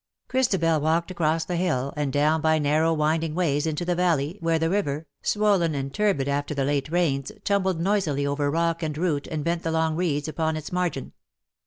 Christabel walked across the hill, and down by nar row winding ways into the valley, where the river, swollen and turbid after the late rains, tumbled noisily over rock and root and bent the long reeds upon its margin.